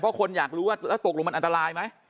เพราะคนอยากรู้ว่าแล้วตกลงมันอันตรายไหม